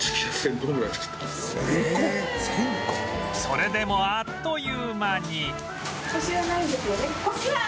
それでもあっという間に